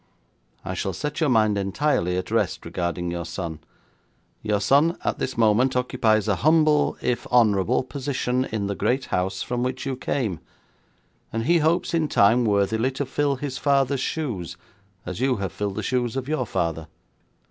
I shall set your mind entirely at rest regarding your son. Your son at this moment occupies a humble, if honourable, position in the great house from which you came, and he hopes in time worthily to fill his father's shoes, as you have filled the shoes of your father.